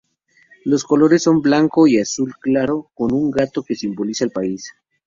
Los colores son blanco y azul claro, con un gato que simboliza el país.